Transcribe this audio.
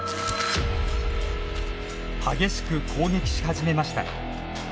激しく攻撃し始めました。